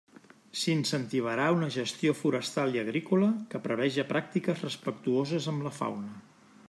S'incentivarà una gestió forestal i agrícola que preveja pràctiques respectuoses amb la fauna.